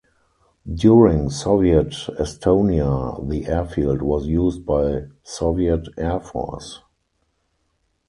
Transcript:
During Soviet Estonia the airfield was used by Soviet Air Force.